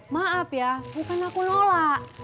maaf ya bukan aku nolak